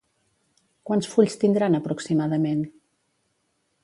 Quants fulls tindran aproximadament?